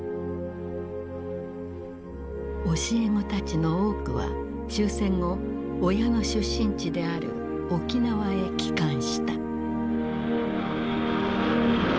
教え子たちの多くは終戦後親の出身地である沖縄へ帰還した。